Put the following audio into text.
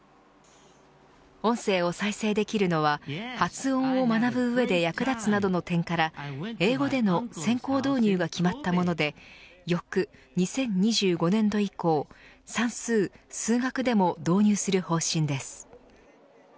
音声を再生できるのは発音を学ぶ上で役立つなどの点から英語での先行導入が決まったもので翌２０２５年度以降算数、数学でも導入する方針です。